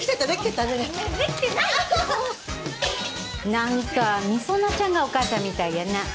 なんか美園ちゃんがお母さんみたいやな。